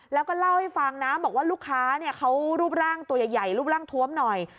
แล้วก็เล่าให้ฟังนะบอกว่าลูกค้าเขารูปร่างตัวใหญ่รูปร่างทวมหน่อย